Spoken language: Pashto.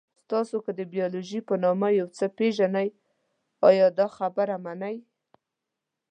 تاسو که د بیولوژي په نامه یو څه پېژنئ، ایا دا خبره منئ؟